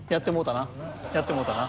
やってもうたな。